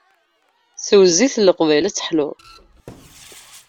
Sew zzit n leqbayel ad teḥluḍ!